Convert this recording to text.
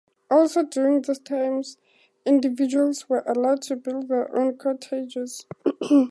Also during this time, individuals were allowed to build their own cottages.